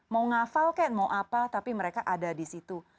mau ngafal ken mau apa tapi mereka ada di situ